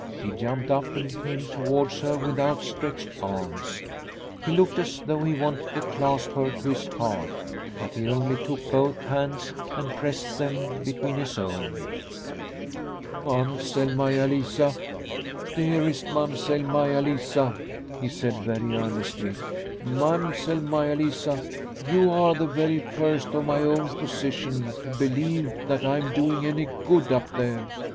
He jumped up and came towards her with outstretched arms. He looked as though he wanted to clasp her to his heart, but he only took both hands and pressed them between his own. " Mamsell Maia Lisa, dearest Mam sell Maia Lisa," he said very earnestly, " Mam The Pastor from Finland 159 sell Maia Lisa, you are the very first of my own position to believe that I am doing any good up there.